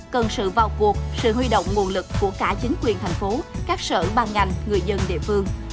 cần sự vào cuộc sự huy động nguồn lực của cả chính quyền thành phố các sở ban ngành người dân địa phương